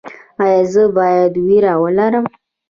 ایا زه باید ویره ولرم؟